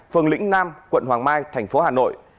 phường lĩnh nam quận hoàng mai thành phố hà nội